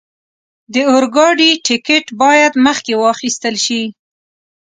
د اورګاډي ټکټ باید مخکې واخستل شي.